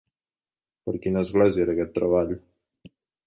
Per quina església era aquest treball?